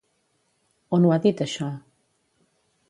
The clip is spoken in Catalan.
On ho ha dit això?